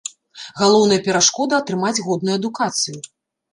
Галоўная перашкода атрымаць годную адукацыю.